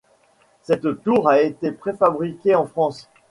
Cette tour a été préfabriquée en France.